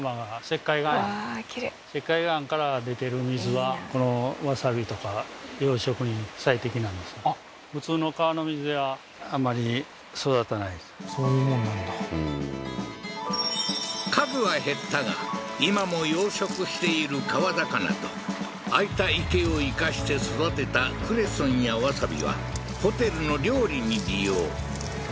はいへえーでもああそうなんですかそういうもんなんだ数は減ったが今も養殖している川魚と空いた池を生かして育てたクレソンやワサビはホテルの料理に利用